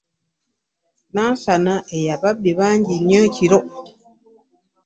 E Nansana eyo ababbi bangi nnyo ekiro.